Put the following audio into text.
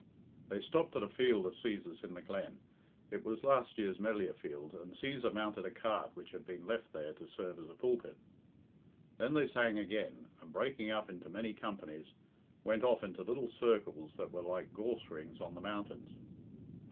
They stopped at a field of Cæsar's in the glen it was last year's Melliah field and Cæsar mounted a cart which had been left there to serve as a pulpit. Then they sang again, and, breaking up into many companies, went off into little circles that were like gorse rings on the mountains.